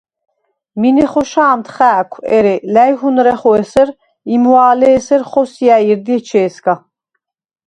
მინე ხოშა̄მდ ხა̄̈ქვ, ერე ლა̈ჲჰურნეხო ესერ, იმვა̄ლე ესერ ხოსია̈ჲ ირდი ეჩე̄სგა!